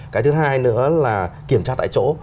cái thứ hai nữa là kiểm tra tại chỗ